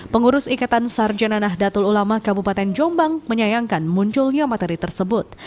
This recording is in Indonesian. pengurus ikatan sarjana nahdlatul ulama kabupaten jombang menyayangkan munculnya materi tersebut